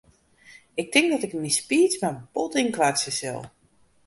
Ik tink dat ik myn speech mar bot ynkoartsje sil.